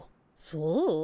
そう？